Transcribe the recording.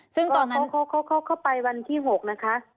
ใช่ค่ะเขาไปวันที่๖นะคะ